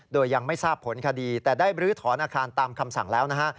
โดยยังไม่ทราบผลคดีแต่ได้บรื้อถอนอาคารตามคำสั่งแล้วนะฮะ